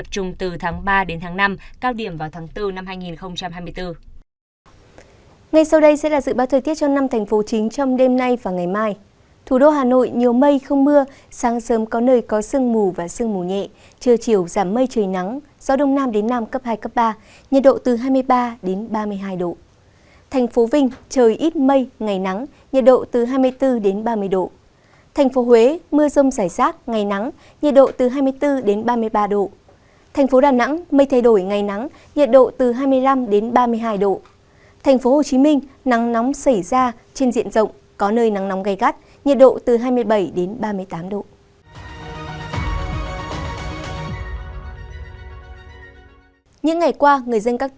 phía đông bắc bộ nhiều mây có mưa vài nơi sáng sớm có sương mù và sương mù nhẹ dài rác trời chiều giảm mây trời nắng gió đông nam đến nam cấp hai ba